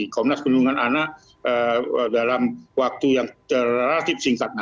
komnas perlindungan anak dalam waktu yang relatif singkat